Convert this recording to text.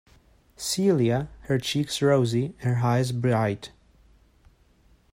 Celia, her cheeks rosy, her eyes bright.